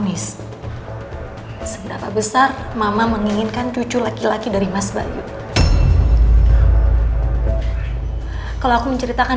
nis seberapa besar mama menginginkan cucu laki laki dari mas bayu kalau aku menceritakan